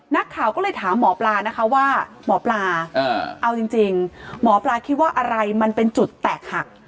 นักข่าวก็เลยถามหมอปลานะคะว่าหมอปลาเอาจริงหมอปลาคิดว่าอะไรมันเป็นจุดแตกหัก